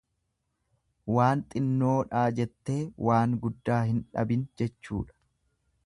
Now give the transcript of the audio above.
Waan xinnoodhaa jettee waan guddaa hin dhabin jechuudha.